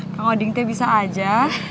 kang oding teh bisa aja